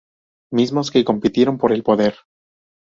Mismos que compitieron por el poder.